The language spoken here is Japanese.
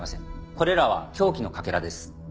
これらは凶器のかけらです。